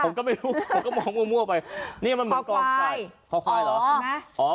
ผมก็ไม่รู้ผมก็มองมั่วมั่วไปเนี้ยมันเหมือนขอไข่ขอไข่เหรอ